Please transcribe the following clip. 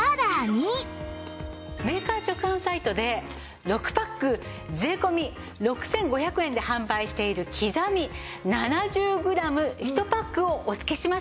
メーカー直販サイトで６パック税込６５００円で販売しているきざみ７０グラム１パックをお付けします。